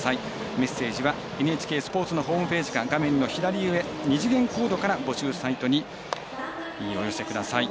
メッセージはＮＨＫスポーツのホームページから画面の左上、二次元コードから募集サイトにお寄せください。